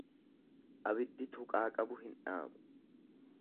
Abiddi tuqaa qabu hin dhaamu.